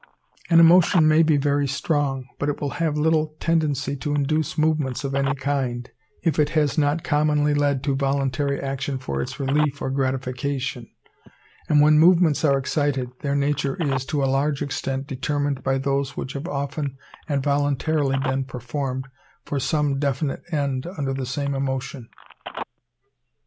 An emotion may be very strong, but it will have little tendency to induce movements of any kind, if it has not commonly led to voluntary action for its relief or gratification; and when movements are excited, their nature is, to a large extent, determined by those which have often and voluntarily been performed for some definite end under the same emotion.